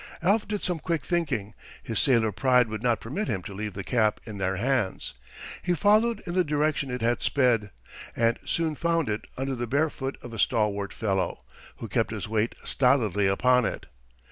Alf did some quick thinking, his sailor pride would not permit him to leave the cap in their hands. He followed in the direction it had sped, and soon found it under the bare foot of a stalwart fellow, who kept his weight stolidly upon it.